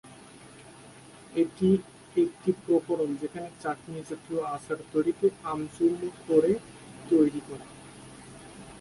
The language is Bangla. এটি একটি প্রকরণ যেখানে চাটনি-জাতীয় আচার তৈরিতে আম চূর্ণ করে তৈরি করা